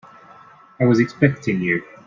I was expecting you.